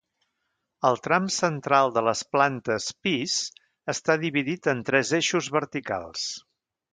El tram central de les plantes pis està dividit en tres eixos verticals.